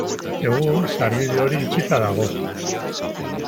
Egun sarbide hori itxita dago.